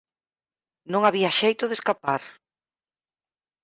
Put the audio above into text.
Non había xeito de escapar.